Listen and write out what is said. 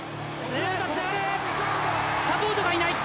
サポートがいない。